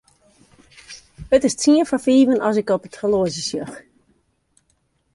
It is tsien foar fiven as ik op it horloazje sjoch.